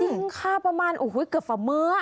ค่าประมาณโอ้โหเกือบฝ่ามื้อ